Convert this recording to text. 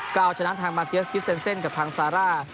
ก็เอาชนะทางมาเทียสกิสเตนเซ่นกับทางซาร่า